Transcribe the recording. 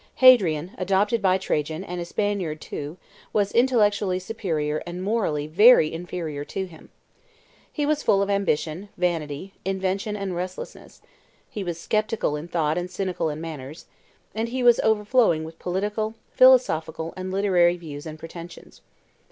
Hadrian, adopted by Trajan, and a Spaniard too, was intellectually superior and morally very inferior to him. He was full of ambition, vanity, invention, and restlessness; he was sceptical in thought and cynical in manners; and he was overflowing with political, philosophical, and literary views and pretensions.